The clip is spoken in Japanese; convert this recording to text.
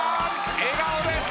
笑顔です。